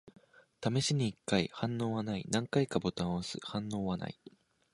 試しに一回。反応はない。何回かボタンを押す。反応はない。